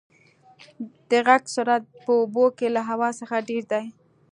د غږ سرعت په اوبو کې له هوا څخه ډېر دی.